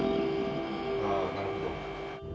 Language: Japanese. あなるほど。